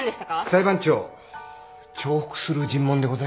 裁判長重複する尋問でございます。